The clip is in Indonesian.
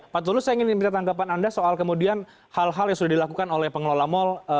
pak tulus saya ingin minta tanggapan anda soal kemudian hal hal yang sudah dilakukan oleh pengelola mal